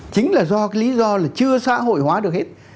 chính là do cái lý do là chưa xã hội hóa được hết